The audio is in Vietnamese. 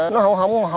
nó không có